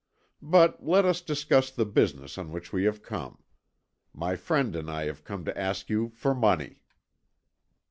But let us discuss the business on which we have come. My friend and I have come to ask you for money."